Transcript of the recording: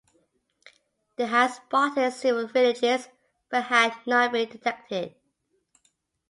They had spotted several villages but had not been detected.